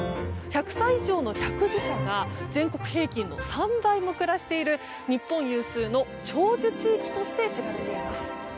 １００歳以上の百寿者が全国平均の３倍も暮らしている日本有数の長寿地域として知られています。